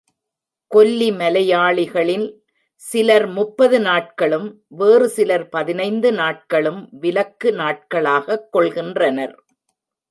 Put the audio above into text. கொல்லி மலையாளிகளில் சிலர் முப்பது நாட்களும், வேறு சிலர் பதினைந்து நாட்களும் விலக்கு நாட்களாகக் கொள்கின்றனர்.